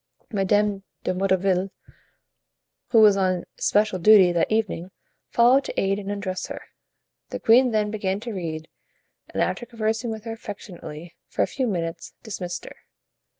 Madame de Motteville, who was on especial duty that evening, followed to aid and undress her. The queen then began to read, and after conversing with her affectionately for a few minutes, dismissed her.